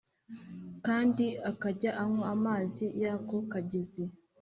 kandi akajya anywa amazi y’ako kagezi